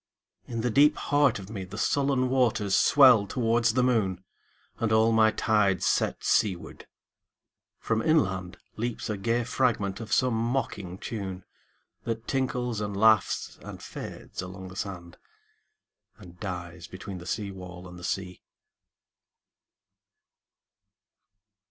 In the deep heart of meThe sullen waters swell towards the moon, And all my tides set seaward. From inlandLeaps a gay fragment of some mocking tune, That tinkles and laughs and fades along the sand, And dies between the seawall and the sea.